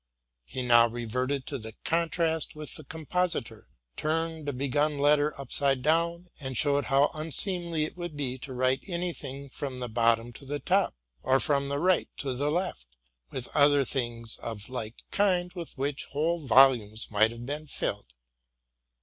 He now reverted to the contrast with the compositor, turned a begun letter upside down, and showed how unseemly it would be to write any thing from the bottom to the top, or from the right to the left, with other things of like kind with which whole yol umes might have been filled.